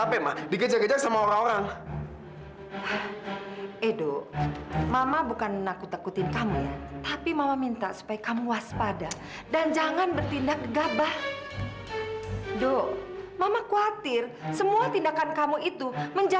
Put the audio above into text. lalu taufan memaksa bangkit dari tempat tidurnya untuk ketemu dengan kamila